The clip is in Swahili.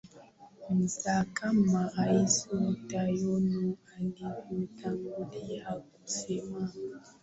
nza kama rais yudhayono alivyotangulia kusema